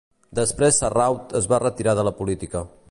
Després Sarraut es va retirar de la política.